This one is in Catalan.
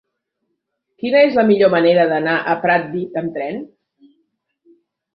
Quina és la millor manera d'anar a Pratdip amb tren?